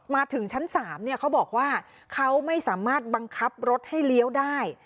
มาถึงชั้น๓เขาบอกว่าเขาไม่สามารถบังคับรถให้เลี้ยวได้